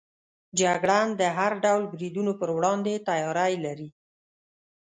جګړن د هر ډول بریدونو پر وړاندې تیاری لري.